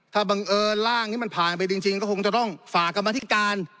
ถ้าบังเอิญร่างนี้มันผ่านไปจริงก็คงจะต้องฝากกรรมธิการ